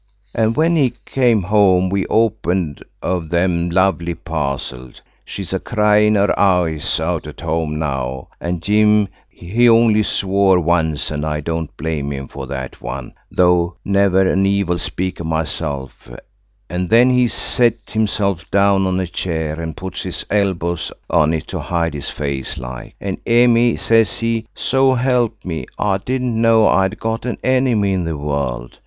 And when he came home–we opened of them lovely parcels. She's a cryin' her eyes out at home now, and Jim, he only swore once, and I don't blame him for that one–though never an evil speaker myself–and then he set himself down on a chair and puts his elbows on it to hide his face like–and 'Emmie,' says he, 'so help me. I didn't know I'd got an enemy in the world.